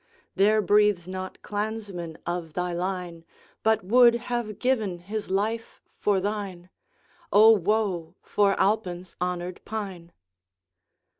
There breathes not clansman of thy line, But would have given his life for thine. O, woe for Alpine's honoured Pine!